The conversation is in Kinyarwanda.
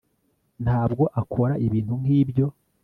Ntabwo akora ibintu nkibyo